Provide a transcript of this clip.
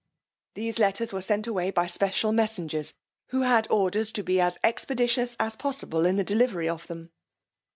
These letters were sent away by special messengers, who had orders to be as expeditious as possible in the delivery of them.